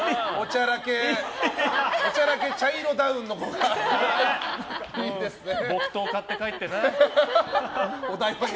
おちゃらけ茶色ダウンの子が。